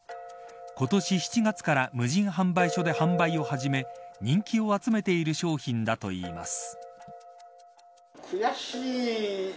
今年７月から無人販売所で販売を始め人気を集めている商品だといいます。